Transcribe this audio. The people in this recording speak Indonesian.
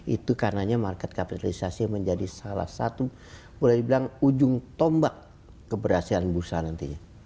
itu karenanya market kapitalisasi menjadi salah satu boleh dibilang ujung tombak keberhasilan bursa nantinya